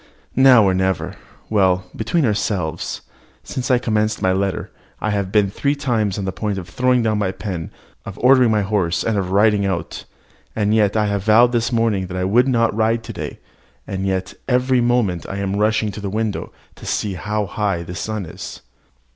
Now or never. Well, between ourselves, since I commenced my letter, I have been three times on the point of throwing down my pen, of ordering my horse, and riding out. And yet I vowed this morning that I would not ride to day, and yet every moment I am rushing to the window to see how high the sun is.